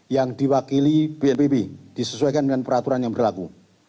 yang diwakili bnpb disesuaikan dengan peraturan yang berlaku